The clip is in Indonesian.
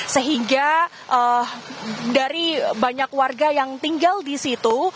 sehingga dari banyak warga yang tinggal di situ